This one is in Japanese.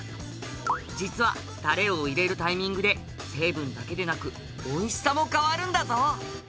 実はタレを入れるタイミングで成分だけでなくおいしさも変わるんだぞ！